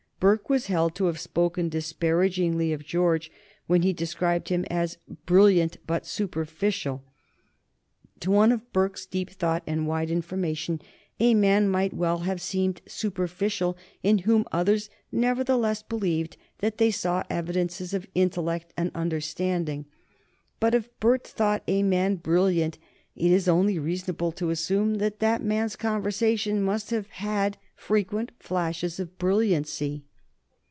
Burke was held to have spoken disparagingly of George when he described him as "brilliant but superficial." To one of Burke's deep thought and wide information a man might well have seemed superficial in whom others nevertheless believed that they saw evidences of intellect and understanding, but if Burke thought a man brilliant it is only reasonable to assume that that man's conversation must have had frequent flashes of brilliancy.